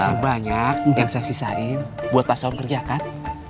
masih banyak yang saya sisain buat pasal kerja kan